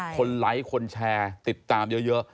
ไลค์คนแชร์ติดตามเยอะ